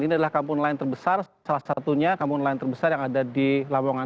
ini adalah kampung nelayan terbesar salah satunya kampung nelayan terbesar yang ada di lamongan